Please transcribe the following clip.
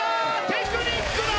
テクニックだ！